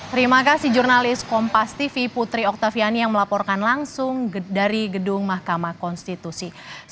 terima kasih jurnalis kompas tv putri oktaviani yang melaporkan langsung dari gedung mahkamah konstitusi